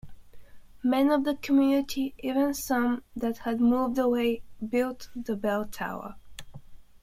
Men of the community, even some that had moved away, built the bell tower.